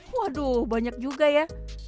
waduh banyak juga ya